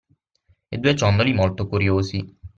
E due ciondoli molto curiosi